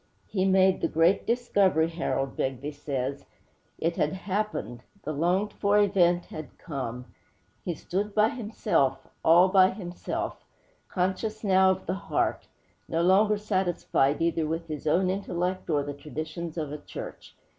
'He made the great discovery,' Harold Begbie says. 'It had happened; the longed for event had come; he stood by himself, all by himself, conscious now of the heart; no longer satisfied either with his own intellect or the traditions of a church.